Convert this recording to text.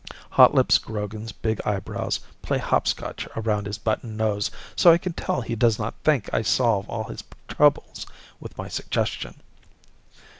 Hotlips Grogan's big eyebrows play hopscotch around his button nose, so I can tell he does not think I solve all his troubles with my suggestion.